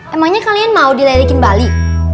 emangnya kalian mau dilerikin bali